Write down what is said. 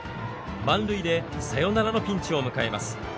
満塁でサヨナラのピンチを迎えます。